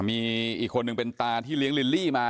มีอีกคนนึงเป็นตาที่เลี้ยงลิลลี่มา